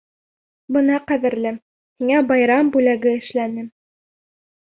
— Бына, ҡәҙерлем, һиңә байрам бүләге эшләнем.